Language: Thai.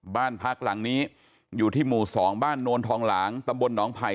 บ้านพักหลังนี้อยู่ที่หมู่๒บ้านโนนทองหลางตำบลหนองไผ่